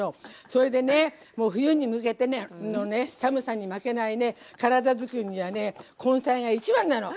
それでねもう冬に向けてのね寒さに負けない体づくりにはね根菜が一番なの。